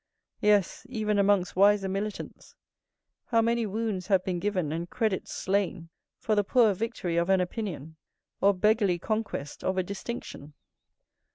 _" Yes, even amongst wiser militants, how many wounds have been given and credits slain, for the poor victory of an opinion, or beggarly conquest of a distinction!